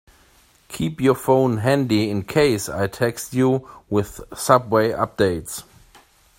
Keep your phone handy in case I text you with subway updates.